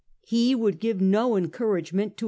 He would give no encouragement the law.